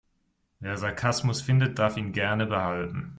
Wer Sarkasmus findet, darf ihn gerne behalten.